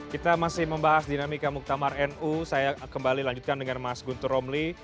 kita masih membahas dinamika muktamar nu saya kembali lanjutkan dengan mas guntur romli